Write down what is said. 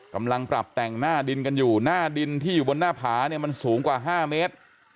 กำลังปรับแต่งหน้าดินกันอยู่หน้าดินที่อยู่บนหน้าผาเนี่ยมันสูงกว่า๕เมตร